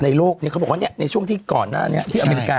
ในโลกปำว่าอย่างนี้ในช่วงที่ก่อนหน้านี้ที่อเมริกาน่ะ